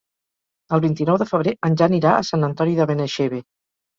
El vint-i-nou de febrer en Jan irà a Sant Antoni de Benaixeve.